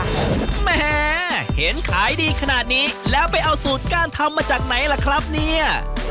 แหมเห็นขายดีขนาดนี้แล้วไปเอาสูตรการทำมาจากไหนล่ะครับเนี่ย